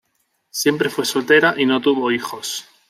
Siempre fue soltera y no tuvo hijos.